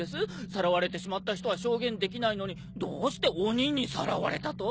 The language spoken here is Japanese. さらわれてしまった人は証言できないのにどうして鬼にさらわれたと？